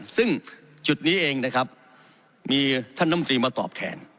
ซึ่งจุดนี้เองนะครับมีท่านน้ำตรีมาตอบแทน